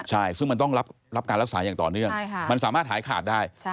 ใช่ซึ่งมันต้องรับการรักษาอย่างต่อเนื่องมันสามารถหายขาดได้